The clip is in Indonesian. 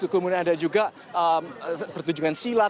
kemudian ada juga pertunjukan silat